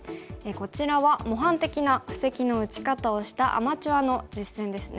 こちらは模範的な布石の打ち方をしたアマチュアの実戦ですね。